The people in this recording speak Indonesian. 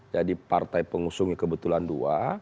jadi partai pengusungnya kebetulan dua